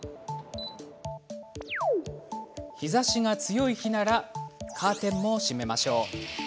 日ざしが強い日ならカーテンも閉めましょう。